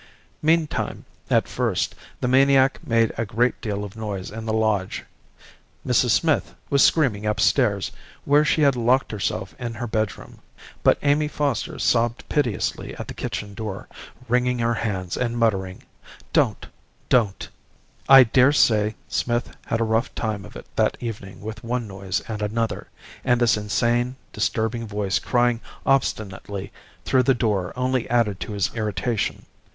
Meantime, at first, the maniac made a great deal of noise in the lodge. Mrs. Smith was screaming upstairs, where she had locked herself in her bedroom; but Amy Foster sobbed piteously at the kitchen door, wringing her hands and muttering, 'Don't! don't!' I daresay Smith had a rough time of it that evening with one noise and another, and this insane, disturbing voice crying obstinately through the door only added to his irritation.